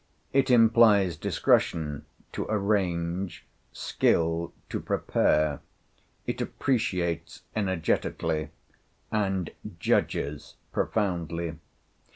It implies discretion to arrange, skill to prepare; it appreciates energetically, and judges profoundly.